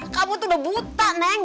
kamu tuh udah buta neng